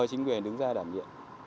chính quyền đứng ra đảm nhiệm